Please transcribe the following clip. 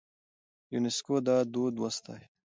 يونيسکو دا دود وستايه.